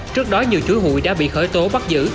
trước đó nhiều chú hụi đã bị khởi tố bắt giữ